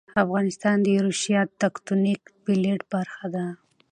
افغانستان د یوریشیا تکتونیک پلیټ برخه ده